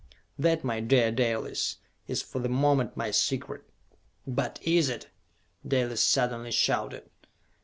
"That, my dear Dalis, is for the moment my secret!" "But is it?" Dalis suddenly shouted.